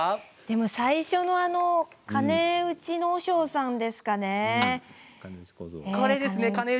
最初の鐘打ちの和尚さんですかね。